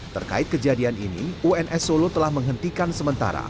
terkait kejadian ini uns solo telah menghentikan sementara